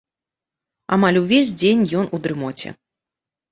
Амаль увесь дзень ён у дрымоце.